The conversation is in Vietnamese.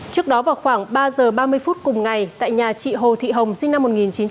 trước đó vào khoảng ba h ba mươi phút cùng ngày tại nhà chị hồ thị hồng sinh năm một nghìn chín trăm bảy mươi chín